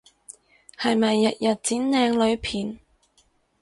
係咪日日剪靚女片？